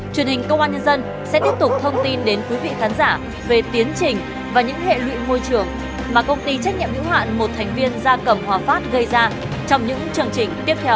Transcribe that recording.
truyền hình công an nhân dân sẽ tiếp tục thông tin đến quý vị khán giả về tiến trình và những hệ lụy môi trường mà công ty trách nhiệm hữu hạn một thành viên gia cầm hòa phát gây ra trong những chương trình tiếp theo